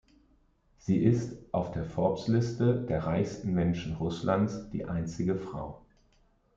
Sie ist auf der Forbes-Liste der reichsten Menschen Russlands die einzige Frau.